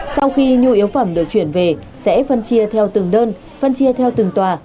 sau khi nhu yếu phẩm được chuyển về sẽ phân chia theo từng đơn phân chia theo từng tòa